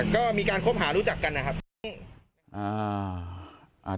ก็มีการคบหารู้จักกันนะครับ